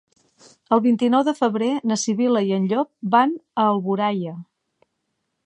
El vint-i-nou de febrer na Sibil·la i en Llop van a Alboraia.